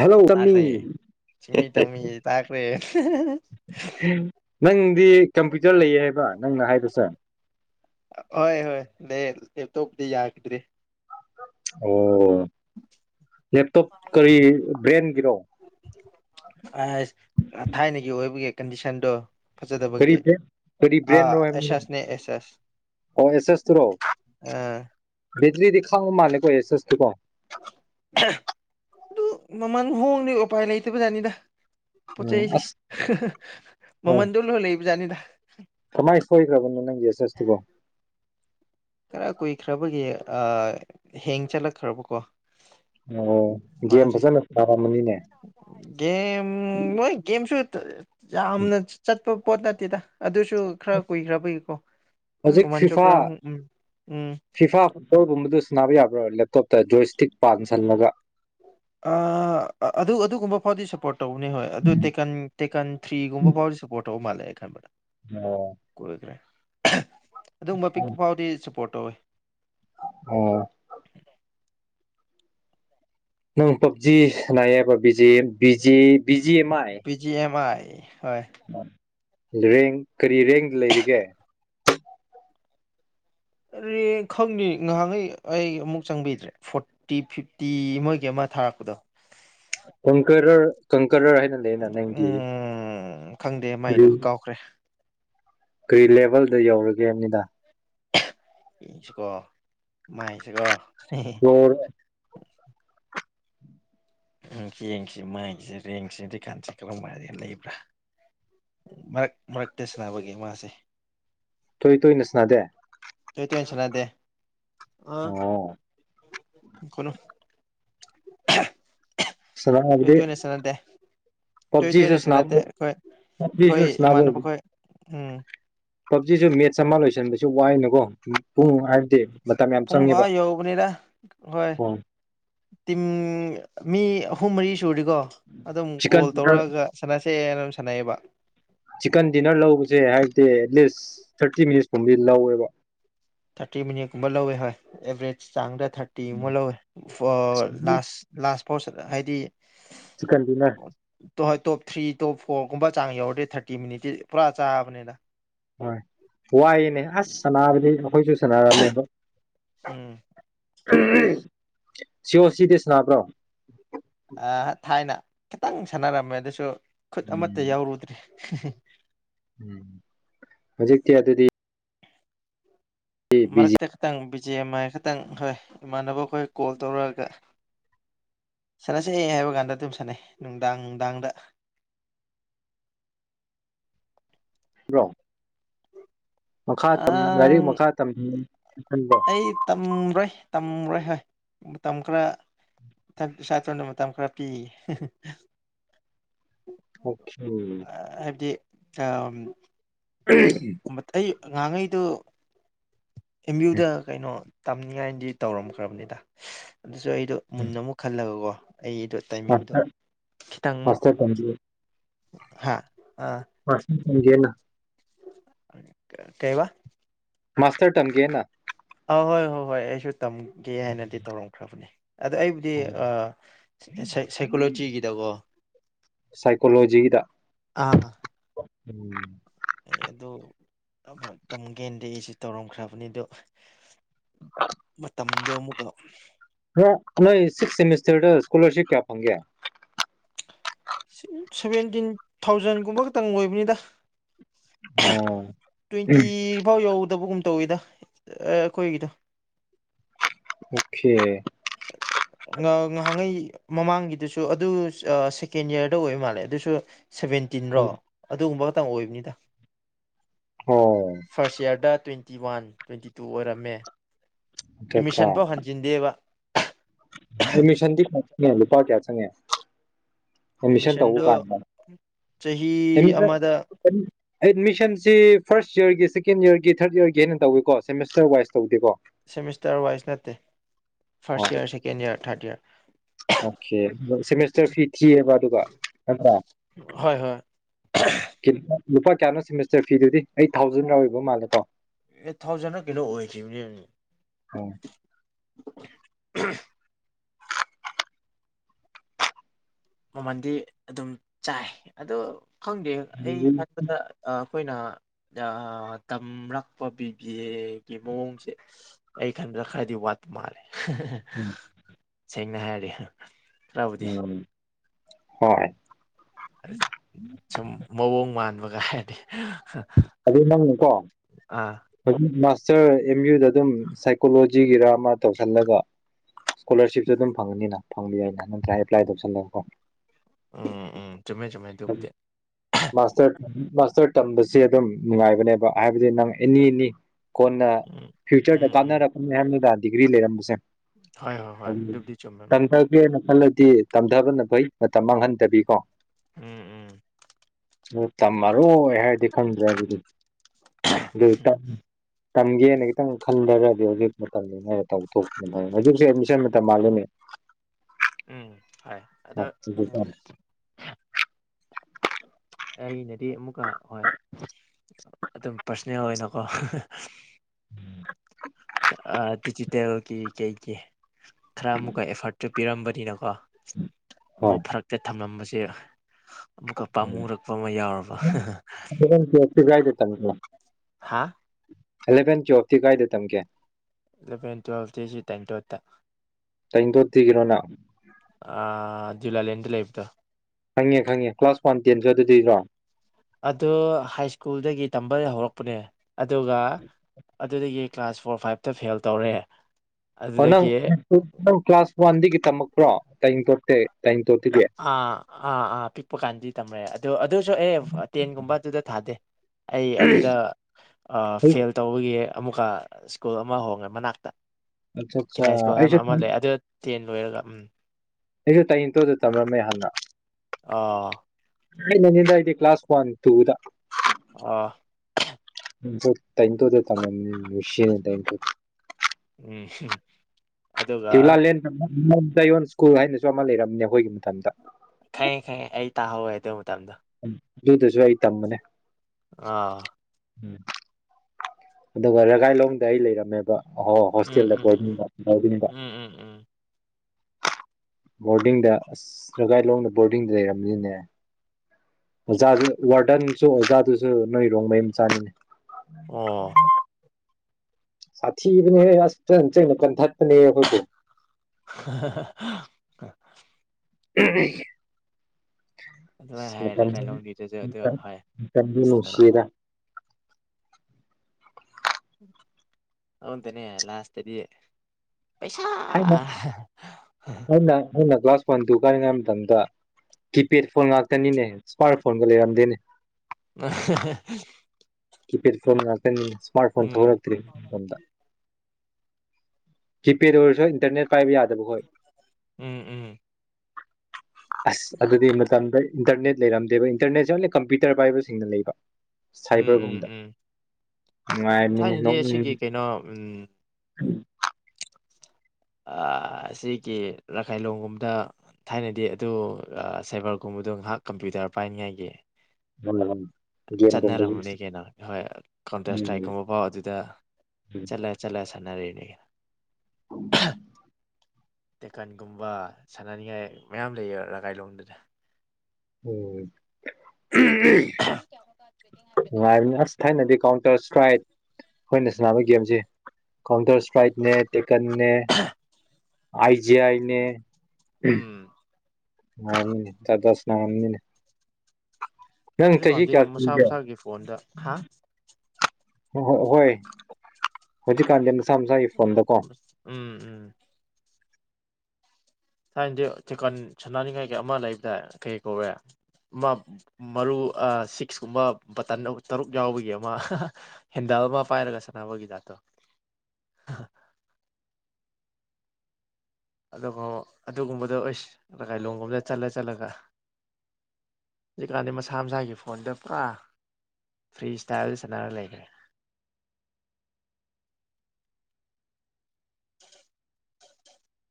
hello ꯊꯥꯈ꯭ꯔꯦ ꯇꯝꯃꯤ ꯆꯃꯤ ꯇꯝꯃꯤ ꯊꯥꯈ꯭ꯔꯦ ꯀꯔ ꯅꯪ ꯪꯗꯤ ꯀꯝꯄ꯭ꯌꯨꯇꯔ ꯂꯩꯌꯦ ꯍꯥꯏꯕ ꯅꯪꯅ ꯍꯥꯏꯕꯁꯦ ꯍꯦꯞꯇꯣꯛꯄꯗꯤ ꯌꯥꯈꯤꯗ꯭ꯔꯦ ꯑꯣ ꯂꯦꯞꯇꯣꯞ ꯀꯔꯤ ꯕ꯭ꯔꯦꯟꯒꯤꯔꯣ ꯑꯁ ꯊꯥꯏꯅꯒꯤ ꯑꯣꯏꯕꯒꯤ ꯀꯟꯗꯤꯁꯟꯗꯣ ꯐꯖꯗꯕꯒꯤ ꯑꯥ ꯑꯦꯁꯁꯅꯦ ꯑꯦꯁꯁ ꯑꯣ ꯑꯦꯁ ꯑꯦꯁꯇ꯭ꯔꯣ ꯑꯥ ꯑꯗꯨꯗꯤ ꯈꯥꯡꯉ ꯃꯥꯅꯦ ꯀ ꯁꯁꯇꯀꯣ ꯑꯗꯨ ꯃꯃꯜ ꯍꯣꯡꯅꯤ ꯎꯄꯥꯏ ꯂꯩꯇꯕꯖꯥꯠꯅꯤꯗ ꯄꯣ ꯎꯝ ꯆꯩꯩꯁꯤ ꯑꯁ ꯃꯣꯃꯟꯗꯨꯜꯍ ꯂꯩꯕꯖꯥꯠꯅꯤꯗ ꯁꯣꯏꯈ꯭ꯔꯕ ꯅ ꯌꯦꯁ ꯑꯦꯁ ꯇꯀꯣ ꯀꯔ ꯀꯨꯏꯈ꯭ꯔꯕꯒꯦ ꯍꯦꯡ ꯆꯠꯂꯛꯈ꯭ꯔꯕꯀꯣ ꯑꯣ ꯒꯦꯝ ꯃꯥꯁꯦ ꯐꯖꯅ ꯁꯥꯔꯝꯃꯅꯤꯅꯦ ꯇ ꯌꯥꯝꯅ ꯆꯠꯄ ꯄꯣꯠ ꯅ ꯇꯗ ꯑꯗꯨꯁꯨ ꯈꯔ ꯀꯨꯏꯈ꯭ꯔ ꯀꯏꯀꯣ ꯃꯣꯏ ꯃꯃꯜꯁꯨ ꯈꯔ ꯎꯝ ꯁꯤꯤꯐꯥ ꯐꯠꯨꯝ ꯑꯗꯨ ꯁꯥꯟꯕ ꯌꯥꯕ꯭ꯔꯣ ꯂꯦꯞꯇꯣꯞꯇ ꯖꯣꯏ ꯏꯁꯇꯤꯛ ꯄꯥꯟꯁꯜꯂꯒ ꯑ ꯑꯗꯨ ꯑꯗꯨꯒꯨꯝꯕ ꯐꯥꯎꯗꯤ ꯁꯄꯣꯔꯠ ꯇꯧꯕꯅꯦ ꯍꯣꯏ ꯑꯗꯨ ꯇꯦꯀꯟ ꯇꯦꯀꯟ ꯊ꯭ꯔꯤꯒꯨꯝꯕ ꯐꯥꯎꯗꯤ ꯁꯄꯣꯔꯠ ꯇꯧꯕ ꯃꯥꯜꯂꯦ ꯂꯩꯦꯥꯏ ꯄꯕ ꯑꯣ ꯀꯣꯏꯗ꯭ꯔꯦ ꯑꯗꯨꯒꯨꯝꯕ ꯄꯤꯛꯄ ꯐꯥꯎꯗꯤ ꯁꯞꯄꯣꯔꯠ ꯇꯣꯏ ꯑꯣ ꯅꯪ ꯄꯞꯖꯤ ꯏꯕꯕꯤꯖꯤ ꯕꯤꯖꯤꯦ ꯕꯤꯖꯤ ꯑꯃꯥꯏ ꯍꯣꯏ ꯔꯤ ꯀꯔꯤ ꯔꯦꯡꯗ ꯂꯩꯔꯤꯒꯦ ꯑ ꯈꯪꯅꯤ ꯉꯍꯥꯛꯈꯩ ꯑꯩ ꯑꯃꯨꯛ ꯆꯪꯕꯤꯗ꯭ꯔꯦ ꯐꯣꯔꯇꯤ ꯐꯤꯐꯇꯤ ꯃꯣꯏꯒꯤ ꯑꯃ ꯊꯥꯔꯛꯄꯗꯣ ꯁꯪꯔ ꯀꯂꯔ ꯍꯥꯏꯅ ꯂꯩꯅ ꯅꯪꯒꯤ ꯎꯝ ꯈꯪꯗꯦ ꯃꯥꯏꯗꯣ ꯀꯥꯎꯈ꯭ꯔꯦ ꯀꯔꯤ ꯂꯦꯚꯦꯜꯗ ꯌꯧꯔꯒꯦꯕꯅꯤꯗ ꯌꯦꯁꯨꯀꯣ ꯃꯥꯏꯁꯤꯀꯣ ꯍ ꯔꯣꯔ ꯎꯝ ꯌꯦꯡꯁꯤ ꯃꯥꯡꯁꯤꯦ ꯔꯦꯡꯁꯤ ꯀꯀꯥꯟꯁꯦ ꯀꯔꯝ ꯃ ꯂꯩꯕ꯭ꯔꯥ ꯎ ꯃꯔꯛ ꯃꯔꯛꯇ ꯁꯥꯟꯅꯕꯒꯦ ꯃꯥꯁꯦ ꯇꯣꯏ ꯇꯣꯏꯅ ꯁꯅꯥꯗꯦ ꯇꯁꯅꯗꯦ ꯑꯥ ꯑꯣ ꯀꯩꯅꯣ [unintelligible] ꯇꯣꯏ ꯁꯅꯥꯕꯗꯤ ꯇꯣꯏꯅ ꯆꯠꯅꯗꯦ ꯇꯣꯏ ꯄꯞꯖꯤꯁꯨ ꯇꯣꯏꯅ ꯆꯠꯅꯗꯦ ꯁꯅꯥꯕ ꯑꯩꯈꯣꯏ ꯑꯩꯈꯣꯏ ꯄꯞꯖꯤꯁꯨ ꯁꯅꯥꯕ ꯏꯃꯥꯟꯅꯕꯈꯣꯏ ꯎꯝ ꯄꯞꯖꯤꯁꯨ ꯃꯦꯠꯁ ꯑꯃ ꯂꯣꯏꯁꯤꯟꯕꯁꯨ ꯋꯥꯏꯅꯀꯣ ꯄꯨꯡ ꯍꯥꯏꯕꯗꯤ ꯃꯇꯝ ꯌꯥꯝ ꯄꯨꯡ ꯑꯥ ꯆꯪꯉꯦꯕ ꯌꯧꯕꯅꯤꯗ ꯍꯣꯏ ꯎ ꯃꯤ ꯍꯨ ꯃꯔꯤꯁ ꯁꯨꯔꯤꯀꯣ ꯑꯗꯨꯝ ꯆꯤꯛꯀꯟ ꯀꯣꯜ ꯗꯤꯅꯔ ꯇꯧꯔꯛꯑꯒ ꯁꯥꯟꯅꯁꯦꯅ ꯑꯗꯨꯝ ꯁꯥꯟꯅꯩꯑꯕ ꯆꯤꯛꯀꯟ ꯗꯤꯅꯔ ꯂꯧꯕꯁꯦ ꯍꯥꯏꯕꯗꯤ ꯑꯦꯠꯂꯤꯁ ꯊꯥꯔꯇꯤ ꯃꯤꯅꯤꯠꯁꯀꯨꯝꯕꯗꯤ ꯂꯧꯋꯦꯕ ꯊꯥꯔꯇꯤ ꯃꯤꯅꯤꯠꯀꯨꯝꯕ ꯂꯧꯋꯦ ꯍꯣꯏ ꯑꯦꯚꯔꯦꯖ ꯆꯥꯡꯗ ꯊꯔꯇꯤ ꯃ ꯂꯥꯁ ꯂꯥꯁ ꯄꯣꯠꯁ ꯍꯥꯏꯗꯤ ꯆꯀꯟ ꯄꯅ ꯇꯣ ꯍꯣꯏ ꯇꯣꯞ ꯊ꯭ꯔꯤ ꯇꯣꯞ ꯐꯣꯔꯒꯨꯝꯕ ꯆꯥꯡ ꯌꯧꯔꯗꯦ ꯊꯥꯔꯇꯤ ꯃꯤꯅꯤꯠꯇꯤ ꯄꯨꯔꯥ ꯆꯥꯕꯅꯤꯅ ꯍꯣꯏ ꯋꯥꯏꯅꯦ ꯑꯁ ꯁꯥꯟꯔꯗꯤ ꯑꯩꯈꯣꯏꯁꯨ ꯁꯥꯟꯅꯔꯝꯃꯦꯕ ꯎꯝ ꯁꯤ ꯑꯣ ꯁꯤꯗꯤ ꯁꯕ꯭ꯔꯣ ꯊꯥꯏꯅ ꯈꯤꯇꯪ ꯁꯥꯟꯅꯔꯝꯃꯦ ꯑꯗꯨꯁꯨ ꯈꯨꯠ ꯑꯃꯠꯇ ꯎꯝ ꯌꯥꯎꯔꯨꯗ꯭ꯔꯤ [unintelligible] ꯎꯝ ꯍꯧꯖꯤꯛꯇꯤ ꯑꯗꯨꯗꯤ ꯃꯔꯔꯛ ꯇ ꯕꯤꯖꯤ꯭ꯔꯣ ꯀ ꯇꯪ ꯖ ꯑꯦꯝ ꯑꯥꯏ ꯈꯛꯇꯪ ꯍꯣꯏ ꯏꯃꯥꯟꯅꯕ ꯑꯩꯈꯣꯏ ꯀꯣꯜ ꯇꯧꯔꯛꯑꯒ ꯁꯥꯟꯅꯁꯦ ꯍꯥꯏꯕ ꯀꯥꯟꯗ ꯑꯗꯨꯝ ꯁꯥꯟꯅꯩ ꯅꯨꯡꯗꯥꯡ ꯅꯨꯡꯗꯥꯡꯗ ꯭ꯔꯣ ꯃꯈꯥ ꯇꯝ ꯂꯔꯤ ꯃꯈꯥ ꯇꯝ ꯑꯩ ꯇꯝꯔꯣꯏ ꯇꯝꯔꯣꯏ ꯍꯣꯏ ꯃꯇꯝ ꯈꯔ ꯁꯥꯇ꯭ꯔꯣꯟꯗ ꯃꯇꯝ ꯈꯔ ꯄꯤ ꯑꯣ ꯑ ꯎꯝ ꯉꯥꯡꯉꯩꯗꯨ ꯑꯦꯝ ꯌꯌꯨꯗ ꯀꯩꯅꯣ ꯇꯝꯅꯤꯡꯉꯥꯏꯗꯤ ꯇꯧꯔꯝꯈ꯭ꯔꯕꯅꯤꯗ ꯑꯗꯨꯁꯨ ꯑꯩꯗꯣ ꯃꯨꯟꯅ ꯑꯃꯨꯛ ꯈꯜꯂꯒꯀꯣ ꯑꯩꯗꯣ ꯇꯥꯏꯃꯤꯡꯗꯣ ꯃꯥꯁꯇꯔ ꯈꯤꯇꯪꯃꯨꯛ ꯃꯥꯁꯇꯔ ꯇꯝꯒꯦ ꯍꯥ ꯑꯥ ꯃꯥꯁꯇꯔ ꯇꯝꯒꯦꯅ ꯀꯩꯕ ꯃꯥꯁꯇꯔ ꯇꯝꯒꯦꯅ ꯑ ꯍꯣꯏ ꯍꯣꯏ ꯍꯣꯏ ꯑꯩ ꯁ ꯇꯝꯒꯦ ꯍꯥꯏꯅꯗꯤ ꯇꯧꯔꯝꯈ꯭ꯔꯕꯅꯤ ꯑꯗ ꯑꯩꯕꯨꯗꯤ ꯑ ꯁꯥꯏꯀꯣꯂꯣꯖꯤꯒꯤꯗꯀꯣ ꯁꯥꯏꯀꯣꯂꯣꯖꯤꯗ ꯎꯝ ꯑꯩ ꯑꯗꯨ ꯇꯝꯒꯦꯗꯤ ꯑꯩꯁꯤꯦ ꯇꯧꯔꯝꯈ꯭ꯔꯕꯅꯤꯗꯣ ꯃꯇꯝ ꯑꯗꯨꯣꯃꯨ ꯀ ꯁꯤꯁ ꯁꯦꯇꯔ ꯏꯁꯀꯣꯂꯔꯁꯤꯞ ꯀꯌꯥ ꯐꯪꯒꯦ ꯁꯚꯦꯟꯇꯤꯟ ꯊꯥꯎꯖꯟꯒꯨꯝꯕ ꯈꯛꯇꯪ ꯂꯣꯏꯕꯅꯤꯗ ꯑꯣꯝ ꯇ꯭ꯋꯦꯟꯇꯤ ꯐꯥꯎ ꯌꯧꯗꯕꯒꯨꯝ ꯇꯧꯋꯗ ꯑ ꯀꯕꯤꯗ ꯑꯣꯦ ꯉꯥꯏꯍꯥꯛꯉꯩ ꯃꯃꯥꯡꯒꯤꯗꯨꯁꯨ ꯑꯗꯨ ꯁꯦꯀꯦꯟ ꯌꯌꯥꯔꯗ ꯑꯣꯏ ꯃꯥꯜꯂꯦ ꯑꯗꯨꯁꯨ ꯁꯕꯦꯟꯇꯤꯟꯔꯣ ꯑꯗꯨꯒꯨꯝꯕ ꯑꯣꯏꯕꯅꯤꯗ ꯑꯣ ꯐꯔꯁꯤꯌꯥꯗ ꯇ꯭ꯋ ꯇꯋꯇꯤ ꯋꯥꯟ ꯇ꯭ꯋꯦꯟꯇꯤ ꯇꯨ ꯑꯣꯏꯔꯝꯃꯦ ꯑꯠꯆꯥ ꯑꯠꯆꯥ ꯑꯦꯃꯤꯁꯟ ꯐꯥꯎ ꯍꯟꯖꯤꯟꯗꯦꯕ ꯑꯦꯗꯃꯤꯁꯟꯗꯤ ꯈ ꯄꯍ ꯑꯦꯠꯃꯤꯁꯟ ꯑꯦꯠꯃꯤꯁꯟꯗꯣ ꯇꯧꯕ ꯀꯥꯟꯗ ꯆꯍꯤ ꯑꯃꯗ ꯑꯦꯠꯃꯤꯁꯟꯁꯤ ꯐꯔꯁ ꯌꯌꯔꯒꯤ ꯁꯦꯀꯦꯟ ꯌꯔꯒꯤ ꯊꯔꯠ ꯌꯔꯒꯤ ꯍꯥꯏꯅ ꯇꯧꯋꯦꯀꯣꯦꯃꯦꯁꯔ ꯋꯥꯏꯁ ꯇꯧꯦꯀꯣ ꯁꯦꯃꯤꯁꯇꯔ ꯋꯥꯏꯁ ꯅꯠꯇꯦ ꯑꯣ ꯐꯥꯔꯁ ꯏꯔ ꯁꯀꯦꯟ ꯏꯔ ꯊꯗꯌꯥ ꯑꯣꯀꯦ ꯁꯦꯃꯦꯁꯇꯔ ꯐꯤ ꯊꯤꯑꯕ ꯑꯗꯨꯒ ꯅꯠꯇ꯭ꯔꯥ ꯍꯣꯏ ꯍꯣꯏ ꯂꯨꯄꯥ ꯀꯌꯥꯅꯣ ꯁꯤꯦꯃꯦꯁꯇꯔ ꯐꯤꯗꯨꯗꯤ ꯑꯩꯠ ꯊꯥꯎꯖꯟ ꯌꯥꯎꯕ ꯃꯥꯜꯂꯦꯀꯣ ꯑꯦꯠ ꯊꯥꯎꯖꯟꯗ ꯀꯩꯅꯣ ꯑꯣꯏꯔꯤꯕꯅꯦ ꯎ ꯎꯝ ꯃꯃꯜꯗꯤ ꯑꯗꯨꯝ ꯆꯥꯏ ꯑꯣ ꯍꯪ ꯗ ꯑꯩ ꯈ ꯑ ꯑꯩꯈꯣꯏꯅ ꯇꯝꯂꯛꯄ ꯕꯤꯕꯤꯦꯒꯤ ꯃꯑꯣꯡꯁꯦ ꯑꯩ ꯈꯟꯕꯗ ꯈꯔꯗꯤ ꯋꯥꯠꯄ ꯃꯥꯜꯂꯦ ꯎꯝ [unintelligible] ꯁꯦꯡꯅ ꯍꯥꯏꯔꯔꯦ ꯎꯝ ꯍꯣꯏ ꯁꯨꯝ ꯃꯑꯣꯡ ꯃꯥꯟꯕ ꯀꯥꯏꯔꯗꯤ ꯑꯗꯨꯏ ꯅꯪꯅꯤꯀꯣ ꯍꯧꯖꯤꯛ ꯃꯥꯁꯇꯔ ꯑꯦꯝ ꯌꯨꯗ ꯑꯗꯨꯝ ꯁꯥꯏꯀꯣꯂꯣꯖꯤꯒꯤꯔꯥ ꯑꯃ ꯇꯧꯁꯜꯂꯒ ꯏꯁꯀꯣꯂꯥꯔꯁꯤꯞꯇ ꯑꯗꯨꯝ ꯐꯪꯉꯅꯤꯅ ꯐꯪꯂꯤ ꯍꯥꯏꯏꯅ ꯅꯠꯇ꯭ꯔ ꯑꯦꯄ꯭ꯂꯥꯏ ꯇꯧꯁꯜꯂꯒꯀꯣ ꯎꯝ ꯎꯝ ꯆꯨꯝꯃꯦ ꯆꯨꯝꯃꯦ ꯑꯗꯨꯕꯨꯗꯤ ꯃꯥꯇ ꯍꯛꯆꯔ ꯇꯝꯁ ꯑꯗꯨꯝ ꯅꯨꯡꯉꯥꯏꯕꯅꯦꯕ ꯍꯥꯏꯕꯗꯤ ꯅꯪ ꯏꯅꯤ ꯏꯅꯤ ꯀꯣꯟꯅ ꯎꯝ ꯐ꯭ꯨꯆꯔꯗ ꯎꯝ ꯎꯝ ꯀꯥꯟꯅꯔ ꯅꯦꯗꯥ ꯗꯤꯒ꯭ꯔꯤ ꯂꯩꯔꯝꯕꯁꯦ ꯍꯣꯏ ꯍꯣꯏ ꯍꯣꯏ ꯑꯗꯨ ꯨꯞꯗꯤ ꯆꯧꯕ ꯇꯝꯊꯒꯦꯅ ꯈꯜꯂꯗꯤ ꯇꯝꯊꯕꯅ ꯐꯩ ꯃꯇꯝ ꯃꯥꯡꯍꯟꯗꯕꯤꯀꯣ ꯎꯝ ꯎꯝ ꯑꯗꯨ ꯇꯝꯃꯔꯣ ꯑꯩ ꯍꯥꯏꯔꯗꯤ ꯈꯪꯗ꯭ꯔꯦ ꯑꯗꯨꯗꯤꯗꯤ ꯗ ꯇ ꯇꯝꯒꯦꯅ ꯈꯤꯇꯪ ꯈꯟꯊꯔꯗꯤ ꯍꯧꯖꯤꯛ ꯃꯇꯝ ꯅ ꯇꯧꯊꯇ ꯍꯧꯖꯤꯛꯁꯨ ꯑꯦꯗꯃꯤꯁꯟ ꯃꯇꯝ ꯃꯥꯜꯂꯤꯅꯦ ꯎꯝ ꯍ ꯑꯗ ꯑꯩꯅꯗꯤ ꯑꯃꯨꯛꯀ ꯍꯣꯏ ꯑꯗꯨꯝ ꯄꯥꯔꯁꯣꯅꯦꯜ ꯑꯣꯏꯅꯀꯣ ꯑ ꯗꯤꯖꯤꯇꯦꯜꯒꯤ ꯀꯩꯒꯤ ꯈꯔ ꯃꯈꯨꯀꯥꯏ ꯑꯦꯐꯔꯠ ꯄꯤꯔꯝꯕꯅꯤꯅꯀꯣ ꯍꯣꯏ ꯑꯃꯨꯛ ꯐꯔꯛꯇꯤ ꯊꯝꯂꯝꯁꯦ ꯆꯦ ꯑꯃꯨꯛꯀ ꯄꯥ ꯃꯨꯔꯛꯄ ꯑꯃ ꯌꯥꯎꯔꯕ ꯇꯝ ꯍꯥ ꯍꯂ ꯐꯦꯟ ꯆꯣꯐꯤ ꯀꯥꯏꯗꯦꯝ ꯀꯦ ꯏꯂꯦꯟ ꯇ꯭ꯋꯦꯜꯁꯤ ꯇꯦꯟ ꯇ ꯠꯇ ꯇꯥꯏ ꯇꯣ ꯊꯤ ꯀꯔꯣꯅ ꯑ ꯖꯨꯂꯂ ꯑꯦꯗꯤ ꯂ ꯂꯩꯕꯗꯣ ꯈꯪꯉꯦ ꯈꯪꯉꯦ ꯀ꯭ꯂꯥꯁ ꯋꯥꯟ ꯇꯦꯟꯁꯨ ꯑꯗꯨꯗꯒꯤꯔꯣ ꯑꯗꯨ ꯍꯥꯏ ꯁ꯭ꯀꯨꯜꯗꯒꯤ ꯇꯝꯕ ꯍꯧꯔꯛꯄ ꯄ꯭ꯔꯦ ꯑꯗꯨꯒ ꯑꯗꯨ ꯀ꯭ꯂꯥꯁ ꯐꯣꯔ ꯐꯥꯏꯚꯇ ꯐꯦꯜ ꯇꯧꯔꯦ ꯑꯣ ꯅꯪ ꯑꯗꯨꯗꯒꯤ ꯅꯪ ꯀ꯭ꯂꯥꯁ ꯋꯥꯟꯗꯒꯤ ꯇꯝꯂꯄ꯭ꯔꯣ ꯀꯩꯅ ꯇ ꯑꯥ ꯑꯥ ꯑꯥ ꯄꯤꯛꯄ ꯀꯥꯟꯗꯤ ꯇꯝꯃꯦ ꯑꯗꯨ ꯑꯗꯨꯁꯨ ꯑꯦ ꯇꯦꯟꯒꯨꯝꯕ ꯑꯗꯨꯗ ꯊꯥꯗꯦ ꯑꯩ ꯑꯗꯨꯗ ꯐꯦꯜ ꯇꯧꯕꯒꯤ ꯑꯃꯨꯛꯀ ꯁ꯭ꯀꯨꯜ ꯑꯃ ꯍꯣꯡꯉꯦ ꯃꯅꯥꯛꯇ ꯑꯆꯥ ꯑꯆꯥ ꯀꯤꯔꯥꯏ ꯁ꯭ꯀꯨꯜ ꯍꯥꯏꯕ ꯑꯩꯁꯨꯦ ꯑꯃ ꯐ ꯂꯩ ꯑꯗꯨ ꯇꯦꯟ ꯂꯣꯏꯔꯒ ꯎꯝ ꯑꯩꯁꯨ ꯇꯥꯏꯇꯣꯗ ꯇꯝꯂꯝꯝꯃꯦ ꯍꯥꯟꯅ ꯑ ꯅꯗꯤ ꯀ ꯀ꯭ꯂꯥꯁ ꯋꯥꯟ ꯇꯨꯗ ꯑ ꯎ ꯇꯥꯏ ꯇ ꯇ ꯎꯝꯝ ꯇꯤ ꯂ ꯂ ꯆꯌꯣꯟ ꯁ꯭ꯀꯨꯜ ꯍꯥꯏꯅꯁꯨ ꯑꯃ ꯂꯩꯔꯝꯅꯦ ꯑꯩꯈꯣꯏꯒꯤ ꯃꯇꯝꯗ ꯈꯩ ꯈꯩ ꯑ ꯇꯥ ꯍꯦꯗꯨꯝꯗ ꯑꯗꯨꯨꯗꯁꯨ ꯑꯩ ꯇ ꯃꯅꯦ ꯑꯥ ꯎꯝ ꯑꯗꯨꯒ ꯔꯒꯥꯏꯂꯣꯡꯗ ꯑꯩ ꯂꯩꯔꯝꯃꯦꯕ ꯑꯣ ꯎꯝ ꯍꯣꯁꯇꯦꯜꯗ ꯎꯝ ꯎꯝ ꯊ ꯊꯕ ꯎꯝ ꯎꯝ ꯎꯝ ꯕꯣꯔꯗꯤꯡꯗ ꯑꯁ ꯒꯥꯏꯂꯣꯡꯗ ꯕꯣꯔꯗꯤꯡꯗ ꯂꯩꯔꯝꯅꯤꯅꯦ ꯑꯣꯖꯥ ꯋꯥꯔꯗꯟꯁꯨ ꯑꯣꯖꯥꯗꯨꯁꯨ ꯅꯣꯏꯔꯣꯡ ꯃꯌꯨꯝ ꯆꯥꯅꯤꯅꯦ ꯑꯣ ꯁꯥꯕ ꯐ ꯆ ꯐ [inaudible] ꯀ ꯑꯗꯨꯃꯥꯏꯅ ꯍꯥꯏꯔ ꯀꯥꯏꯂꯣꯡꯕꯤꯗꯁꯨ ꯑꯗꯨ ꯍꯣꯏ [inaudible] ꯇꯅꯨꯡꯁꯤꯗ ꯍꯧ ꯇꯅꯦ ꯂꯁꯇꯗꯤꯑꯦ ꯍ ꯍꯅ ꯍꯅ ꯀ꯭ꯂꯥꯁ ꯐ ꯇ ꯀ ꯃꯇꯝꯗ ꯀꯤꯄꯦꯗ ꯐꯣꯟ ꯉꯥꯛꯇꯅꯤꯅꯦ ꯏꯁꯃꯥ꯭ꯔꯠ ꯐꯣꯟꯒ ꯂꯩꯔꯝꯗꯦꯅꯦ ꯑꯍꯥ ꯍꯦ ꯀꯤꯄꯦꯠ ꯉꯥꯛ ꯇꯥꯅꯤꯅꯦ ꯏꯁꯃꯥ꯭ꯔꯠ ꯐꯣꯟ ꯊꯣꯛ ꯂꯛꯇ꯭ꯔꯤ ꯗꯨꯝꯗ ꯀꯤꯄꯦꯗ ꯑꯣꯏꯔꯁꯨ ꯏꯟꯇ꯭ꯔꯅꯦꯠ ꯄꯥꯏꯕ ꯌꯥꯗꯕ ꯍꯣꯏ ꯎꯝ ꯎꯝ ꯑꯁ ꯑꯗꯨꯗꯤ ꯑꯗꯨꯒꯤ ꯃꯥꯇꯝꯗꯩ ꯏꯟꯇ꯭ꯔꯅꯦꯠ ꯂꯩꯔꯝꯗꯦꯕ ꯏꯟꯇ꯭ꯔꯅꯦꯠꯁꯦ ꯑꯣꯟꯂꯤ ꯀꯝꯄ꯭ꯌꯨꯇ꯭ꯔ ꯄꯥꯏꯕꯁꯤꯡꯅ ꯂꯩꯕ ꯎꯝ ꯎꯝ ꯁꯥꯏꯕꯔꯒꯨꯝꯕꯗ ꯎꯝ ꯅꯨꯡꯉꯥꯏꯕꯅꯤꯅꯦ ꯊꯥꯏꯅꯗꯤ ꯅꯣꯛꯅꯤꯡ ꯑꯁꯤꯒꯤ ꯀꯩꯅꯣ ꯎꯝ ꯑꯁꯤꯒꯤ ꯔꯈꯥꯏꯂꯣꯡꯒꯨꯝꯕꯗ ꯊꯥꯏꯅꯗꯤ ꯑꯗꯨ ꯁꯥꯏꯕ꯭ꯔꯒꯨꯝꯕꯗꯣ ꯉꯥꯏꯍꯥꯛ ꯀꯝꯄ꯭ꯌꯨꯇꯔ ꯄꯥꯏꯅꯤꯉꯥꯏꯒꯤ ꯎꯝ ꯆꯠꯅꯔꯝꯃꯅꯤ ꯀꯩꯅ ꯍꯣꯏ ꯀꯥꯎꯟꯇꯔ ꯎꯝ ꯏꯁꯇ꯭ꯔꯥꯏꯛꯀꯨꯝꯕ ꯀ‌ꯣ ꯑꯗꯨꯗ ꯎꯝ ꯆꯠꯂ ꯆꯠꯂ ꯁꯥꯟꯅꯔꯤꯅꯦ ꯇꯦꯛꯀꯟꯒꯨꯝꯕ ꯁꯥꯟꯅꯅꯤꯡꯉꯥꯏ ꯃꯌꯥꯝ ꯂꯩꯌꯦꯕ ꯔꯒꯥꯏꯂꯣꯡꯗꯨꯗ ꯎꯝ ꯅꯨꯡꯉꯥꯏꯕꯅ‌ꯦ ꯑꯁ ꯊꯥꯏꯅꯗꯤ ꯀꯥꯎꯟꯇ꯭ꯔ ꯏꯁꯇ꯭ꯔꯥꯏꯠ ꯑꯩꯈꯣꯏꯅ ꯁꯥꯟꯅꯕ ꯒꯦꯝꯁꯦ ꯀꯥꯎꯟꯇ꯭ꯔ ꯏꯁꯇ꯭ꯔꯥꯏꯠꯅꯦ ꯇꯦꯀꯟꯅꯦ ꯑꯥꯏ ꯖꯤ ꯑꯥꯏꯅꯦ ꯎꯝ ꯉꯃꯤꯅꯤ ꯇꯗ ꯁꯅꯥ ꯑꯃꯤꯅꯦ ꯍꯧꯖꯤꯛꯀꯥꯟꯗꯤ ꯃꯁꯥ ꯃꯁꯥꯒꯤ ꯐꯣꯟꯗ ꯍꯥ ꯍ ꯍ ꯍꯣꯏ ꯍꯧꯖꯤꯛ ꯀꯥꯟꯗꯅ ꯎꯝ ꯎꯝ ꯎꯝ ꯊꯥꯏꯟꯁꯦ ꯆꯤꯀꯟ ꯁꯥꯟꯅꯅꯤꯡꯉꯥꯏ ꯀꯩ ꯑꯃ ꯂꯩꯕꯗ ꯀꯩ ꯀꯧꯔꯦ ꯃꯥ ꯃꯔꯨ ꯁꯤꯛꯁ ꯀꯨꯝꯕ ꯕꯇꯟ ꯇꯔꯨꯛ ꯌꯥꯎꯕꯒꯤ ꯑꯃ ꯍꯦꯟꯗꯜ ꯑꯃ ꯄꯥꯏꯔꯒ ꯁꯥꯟꯅꯕꯒꯤ ꯖꯥꯇꯣ ꯑꯗꯨꯒ ꯑꯗꯨꯒꯨꯝꯕꯗꯣ ꯑꯣꯏ ꯂꯀꯥꯏꯂꯣꯡꯒꯨꯝꯝꯗ ꯆꯠꯂ ꯆꯠꯂꯒ ꯍꯧꯖꯤꯛꯀꯥꯟꯗꯤ ꯃꯁꯥ ꯃꯁꯥꯒꯤ ꯐꯣꯟꯗ ꯄꯨꯔꯥ ꯐ꯭ꯔꯤ ꯏꯁꯇꯥꯏꯜꯗ ꯆꯥꯟꯅꯔ ꯂꯩꯈ꯭ꯔꯦ [unintelligible]